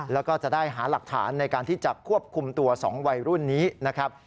แล้วก็จะได้หาหลักฐานในการที่จะควบคุมตัว๒วัยรุ่นนี้นะครับ